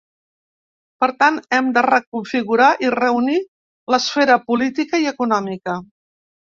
Per tant hem de reconfigurar i reunir l’esfera política i econòmica.